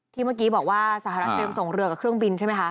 เมื่อกี้บอกว่าสหรัฐเตรียมส่งเรือกับเครื่องบินใช่ไหมคะ